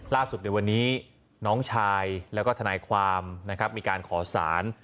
ล่าสุดในวันนี้น้องชายแล้วก็ทนายความมีการขอสาร